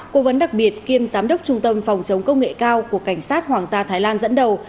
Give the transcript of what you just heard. cố vấn đặc biệt kiêm giám đốc trung tâm phòng chống công nghệ cao của cảnh sát hoàng gia thái lan dẫn đầu